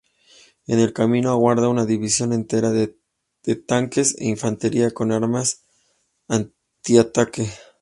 En el camino aguarda una división entera de tanques e infantería con armas antitanque.